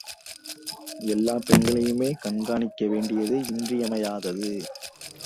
எல்லாப் பெண்களையுமே கண்காணிக்க வேண்டியது இன்றியமையாதது.